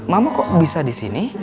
mama kok bisa disini